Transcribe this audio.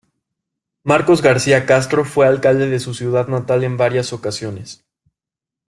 Marcos García Castro fue alcalde de su ciudad natal en varias ocasiones.